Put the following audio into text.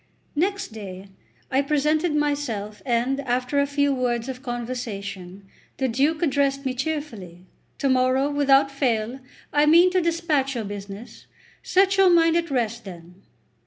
XCV NEXT day I presented myself, and, after a few words of conversation, the Duke addressed me cheerfully; "To morrow, without fail, I mean to despatch your business; set your mind at rest, then."